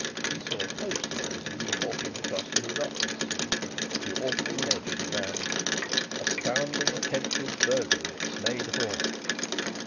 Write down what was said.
He saw a poster as he was walking across to his office. The awful legend ran: ASTOUNDING ATTEMPTED BURGLARY AT SNEYD HALL.